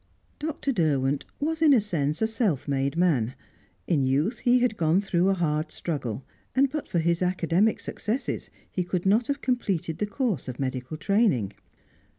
Dr. Derwent was, in a sense, a self made man; in youth he had gone through a hard struggle, and but for his academic successes he could not have completed the course of medical training.